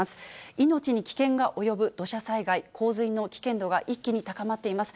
命に危険が及ぶ土砂災害、洪水の危険度が一気に高まっています。